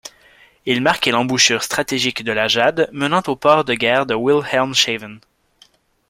Il marquait l'embouchure stratégique de la Jade, menant au port de guerre de Wilhelmshaven.